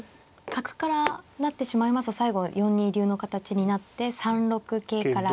角から成ってしまいますと最後４二竜の形になって３六桂から。